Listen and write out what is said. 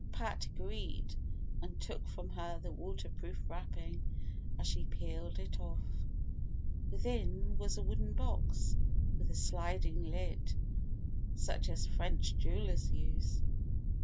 Pat agreed, and took from her the waterproof wrapping as she peeled it off. Within was a wooden box, with a sliding lid, such as French jewellers use.